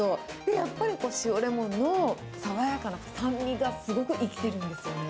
やっぱり塩レモンの爽やかな酸味が、すごく生きてるんですよね。